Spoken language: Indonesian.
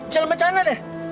jalan macanan ya